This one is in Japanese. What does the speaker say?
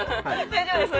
大丈夫です？